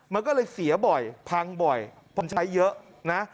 มันก็เลยเสียบ่อยพังบ่อยมันใช้เยอะนะ